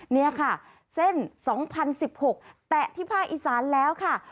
นี่ค่ะเส้น๒๐๑๖แตะที่ภาคอีสานแล้วค่ะ